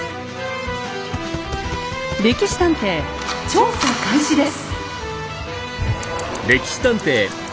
「歴史探偵」調査開始です。